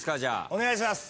お願いします。